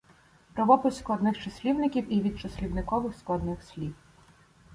Правопис складних числівників і відчислівникових складних слів